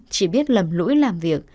chỉ biết lầm lũi làm việc